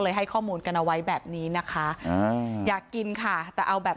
ให้ข้อมูลกันเอาไว้แบบนี้นะคะอ่าอยากกินค่ะแต่เอาแบบ